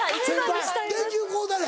先輩電球買うたれ。